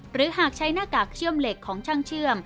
หากใช้หน้ากากเชื่อมเหล็กของช่างเชื่อม